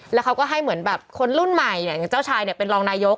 แล้วเขาก็ให้เหมือนแบบคนรุ่นใหม่อย่างเจ้าชายเป็นรองนายก